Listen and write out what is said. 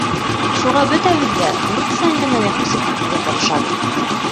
Шуға бөтәбеҙ ҙә урыҫса әңгәмәгә күсеп китергә тырышабыҙ.